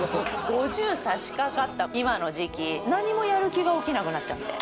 差しかかった今の時期何もやる気が起きなくなっちゃって。